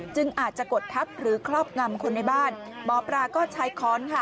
อาจจะกดทับหรือครอบงำคนในบ้านหมอปลาก็ใช้ค้อนค่ะ